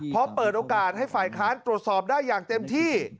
เพราะเปิดโอกาสให้ฝ่ายค้านตรวจสอบได้อย่างเต็มที่